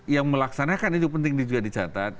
yang melaksanakan ini juga penting dicatat